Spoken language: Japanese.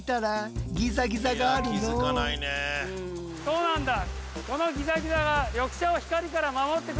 そうなんだ。